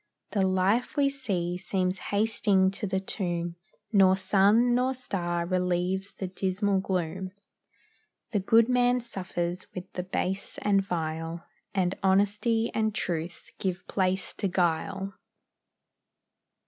The life we see seems hasting to the tomb Nor sun, nor star, relieves the dismal gloom; The good man suffers with the base and vile, And honesty and truth give place to guile.